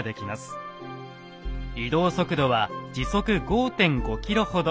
移動速度は時速５．５ｋｍほど。